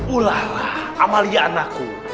ulahlah amalia anakku